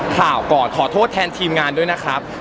ข่าวก่อนขอโทษแทนทีมงานด้วยนะครับ